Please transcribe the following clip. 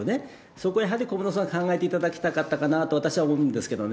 そこをやはり、小室さんは考えていただきたかったかなと私は思うんですけどね。